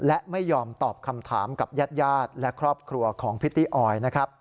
และไม่ยอมตอบคำถามกับญาติญาติและครอบครัวของพิฏติออย